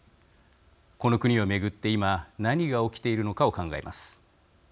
この国を巡って今何が起きているのかを考えます。